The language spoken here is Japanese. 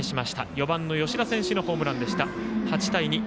４番の吉田選手のホームランでした、８対２。